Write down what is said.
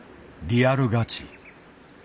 リアルガチ。